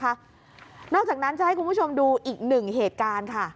นอกจากนั้นจะให้คุณผู้ชมดูอีกหนึ่งเหตุการณ์ค่ะ